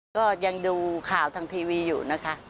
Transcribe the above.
ก็ยังดูข่าวทางทีวีอยู่นะคะ